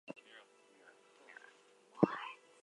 These two companies have merged to form Distell.